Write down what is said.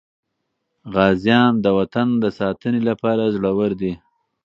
غازیان د وطن د ساتنې لپاره زړور دي.